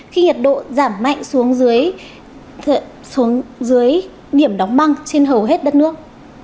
khi nhiệt độ giảm mạnh xuống dưới điểm đóng băng trên hầu hết đất nước